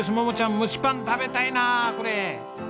桃ちゃん蒸しパン食べたいなあこれ。